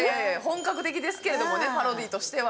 本格的ですけれどもねパロディとしては。